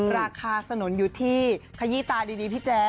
สนุนอยู่ที่ขยี้ตาดีพี่แจ๊